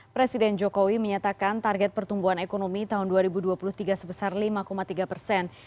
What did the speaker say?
presiden jokowi menyatakan target pertumbuhan ekonomi tahun dua ribu dua puluh tiga sebesar lima tiga persen